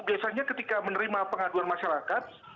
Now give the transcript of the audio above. biasanya ketika menerima pengaduan masyarakat